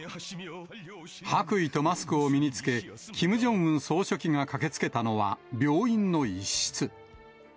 白衣とマスクを身に着け、キム・ジョンウン総書記が駆けつけたのは、病院の一室。